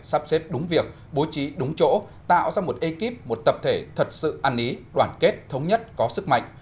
sắp xếp đúng việc bố trí đúng chỗ tạo ra một ekip một tập thể thật sự ăn ý đoàn kết thống nhất có sức mạnh